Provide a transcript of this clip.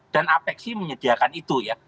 dan apec sih menyediakan itu ya